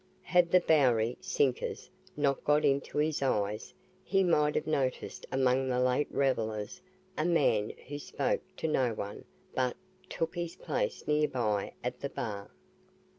Had the Bowery "sinkers" not got into his eyes, he might have noticed among the late revellers, a man who spoke to no one but took his place nearby at the bar.